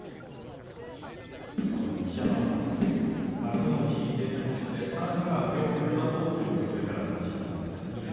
その一山本、幕内に定着してさらには上を目指そうというこれからの一山本です。